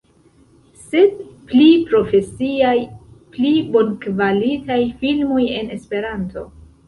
Sed pli profesiaj, pli bonkvalitaj filmoj en Esperanto